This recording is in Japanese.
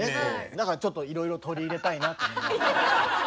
だからちょっといろいろ取り入れたいなって。